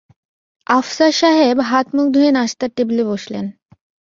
আফসার সাহেব হাত-মুখ ধুয়ে নাশতার টেবিলে বসলেন।